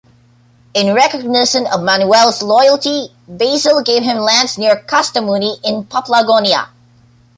In recognition of Manuel's loyalty, Basil gave him lands near Kastamuni in Paphlagonia.